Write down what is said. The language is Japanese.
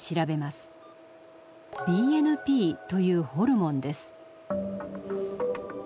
「ＢＮＰ」というホルモンです。